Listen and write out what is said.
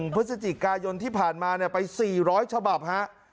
พฤศจิกายนที่ผ่านมาไป๔๐๐ฉบับฮะ